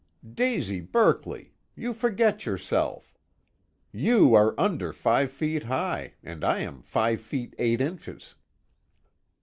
"Daisy Berkeley! You forget yourself. You are under five feet high, and I am five feet eight inches."